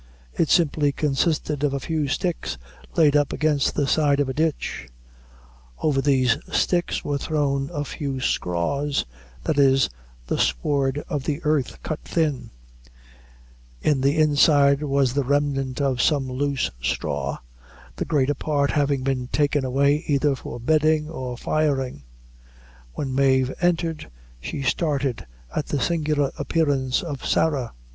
It simply consisted of a few sticks laid up against the side of a ditch; over these sticks were thrown a few scraws that is, the sward of the earth cut thin; in the inside was the remnant of some loose straw, the greater part having been taken away either for bedding or firing. When Mave entered, she started at the singular appearance of Sarah.